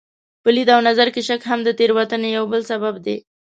په لید او نظر کې شک هم د تېروتنې یو بل سبب دی.